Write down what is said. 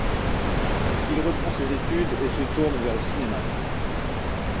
Il reprend ses études et se tourne vers le cinéma.